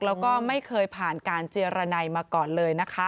แล้วก็ไม่เคยผ่านการเจรนัยมาก่อนเลยนะคะ